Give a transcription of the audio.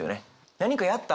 「何かやった？」